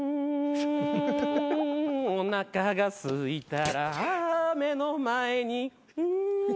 「おなかがすいたらああ目の前に」